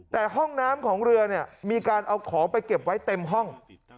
แต่ห้องน้ำของเรือเนี่ยมีการเอาของไปเก็บไว้เต็มห้อง